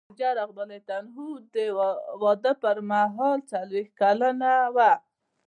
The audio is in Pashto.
خدیجه رض د واده پر مهال څلوېښت کلنه وه.